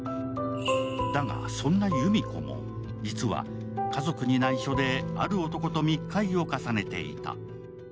だが、そんな裕実子も実は、家族にないしょである男と密会を重ねていた。